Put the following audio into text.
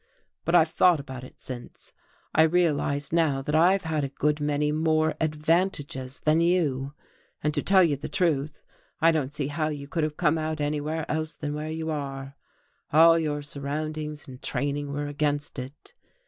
But I've thought about it since; I realize now that I've had a good many more 'advantages' than you, and to tell you the truth, I don't see how you could have come out anywhere else than where you are, all your surroundings and training were against it.